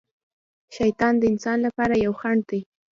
شیطان د انسان لپاره یو خڼډ دی.